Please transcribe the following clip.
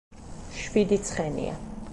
შვიდი ცხენია.